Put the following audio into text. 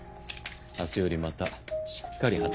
明日よりまたしっかり働きますので。